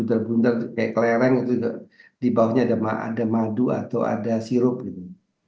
bundar kayak kelereng itu di bawahnya ada madu atau ada sirup gitu